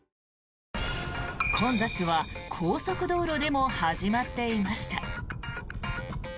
混雑は高速道路でも始まっていました。